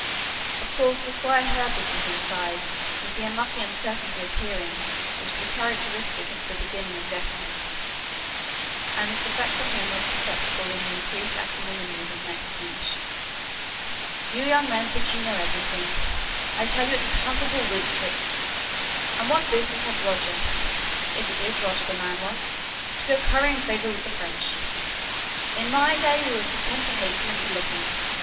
Of course the Squire heard this little aside with the unlucky uncertainty of hearing which is a characteristic of the beginning of deafness; and its effect on him was perceptible in the increased acrimony of his next speech. "You young men think you know everything. I tell you it's a palpable Whig trick. And what business has Roger if it is Roger the man wants to go currying favour with the French? In my day we were content to hate 'em and to lick 'em.